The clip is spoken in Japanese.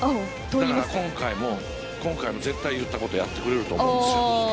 だから今回も絶対言ったことをやってくれると思うんですよ。